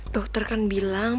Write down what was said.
dokter kan bilang